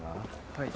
はい。